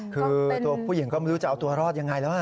คือตัวผู้หญิงก็ไม่รู้จะเอาตัวรอดยังไงแล้วนะ